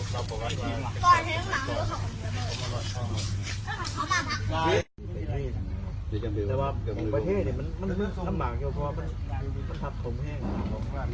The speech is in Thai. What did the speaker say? สวัสดีครับทุกคน